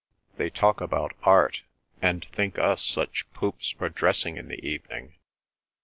They talk about art, and think us such poops for dressing in the evening.